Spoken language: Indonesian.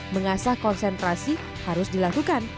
mengasah konsentrasi harus dilakukan